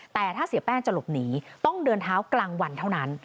แต่ถ้าเสียแป้งจะหลบหนีต้องเดินเท้ากลางวันเท่านั้น